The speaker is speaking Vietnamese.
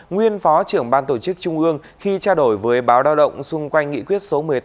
nguyên phó trưởng ban tổ chức trung ương khi trao đổi với báo lao động xung quanh nghị quyết số một mươi tám